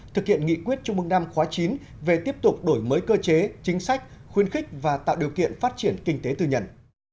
thực hiện nghị quyết trung mương năm khóa chín về tiếp tục đổi mới cơ chế chính sách khuyến khích và tạo điều kiện phát triển kinh tế tư nhân